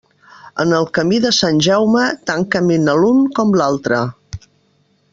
En el camí de Sant Jaume, tant camina l'un com l'altre.